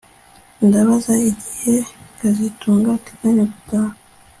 Ndabaza igihe kazitunga ateganya gutaha